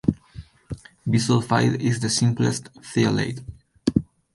Bisulfide is the simplest thiolate.